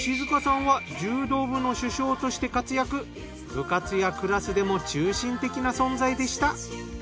部活やクラスでも中心的な存在でした。